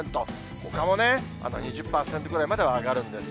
ほかもね、２０％ぐらいまでは上がるんです。